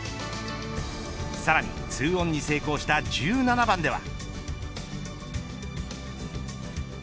さらにツーオンに成功した１７番では。